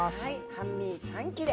半身３切れ。